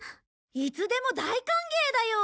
いつでも大歓迎だよ！